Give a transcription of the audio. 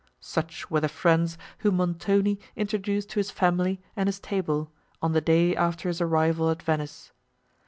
Such were the friends whom Montoni introduced to his family and his table, on the day after his arrival at Venice.